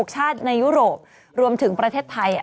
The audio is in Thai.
ชาติในยุโรปรวมถึงประเทศไทย